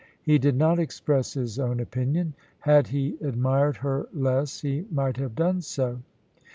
He did not express his own opinion; had he admired her less he might have done so.